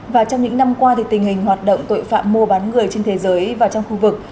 và trong những năm qua tình hình hoạt động tội phạm mua bán người trên thế giới và trong khu vực